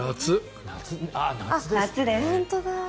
夏です。